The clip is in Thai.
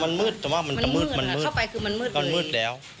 มันมืดมากมันจะมืดมันมืด